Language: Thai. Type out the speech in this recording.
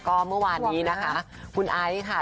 ก็เมื่อวานนี้นะคะคุณไอซ์ค่ะ